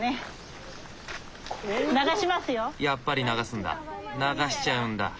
やっぱり流すんだ流しちゃうんだ。